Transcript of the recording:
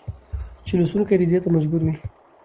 چې لوستونکى دې ته مجبور وي